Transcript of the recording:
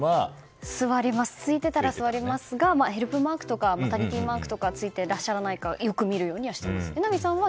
すいてたら座りますがヘルプマークとかマタニティーマークとかついてらっしゃらないかよく見るようにしています。